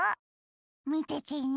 みててね。